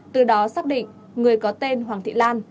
từ đó xác định người có tên hoàng thị lan